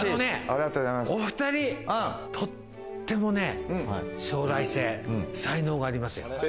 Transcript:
お２人とってもね、将来性、才能がありますよ！